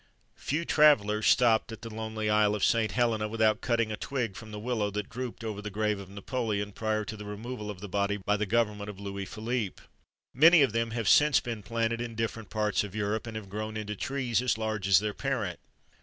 Few travellers stopped at the lonely isle of St. Helena without cutting a twig from the willow that drooped over the grave of Napoleon, prior to the removal of the body by the government of Louis Philippe. Many of them have since been planted in different parts of Europe, and have grown into trees as large as their parent.